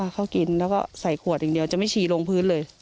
เขากินแล้วก็ใส่ขวดอย่างเดียวจะไม่ชีลงพื้นเลย